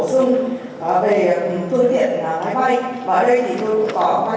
chúng tôi hoàn toàn hợp tình với việc làm cảnh sát cơ động